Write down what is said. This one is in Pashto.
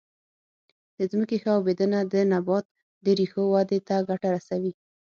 د ځمکې ښه اوبدنه د نبات د ریښو ودې ته ګټه رسوي.